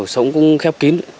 sống cũng khép kín